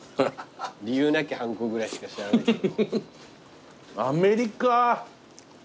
『理由なき反抗』ぐらいしか知らないけど。